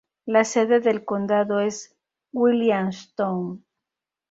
La sede del condado es Williamstown.